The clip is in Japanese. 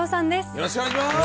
よろしくお願いします。